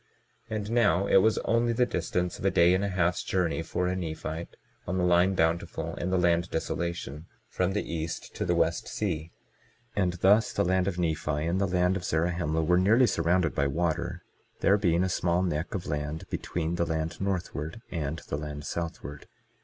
22:32 And now, it was only the distance of a day and a half's journey for a Nephite, on the line Bountiful and the land Desolation, from the east to the west sea; and thus the land of Nephi and the land of Zarahemla were nearly surrounded by water, there being a small neck of land between the land northward and the land southward.